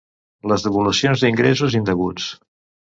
Les devolucions d’ingressos indeguts.